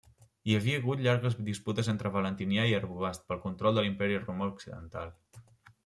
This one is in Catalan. Hi havia hagut llargues disputes entre Valentinià i Arbogast pel control de l'Imperi romà Occidental.